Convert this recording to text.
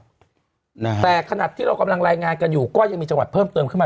แต่ขนาดที่เรากำลังรายงานกันอยู่ก็ยังมีจังหวัดเพิ่มเติมขึ้นมา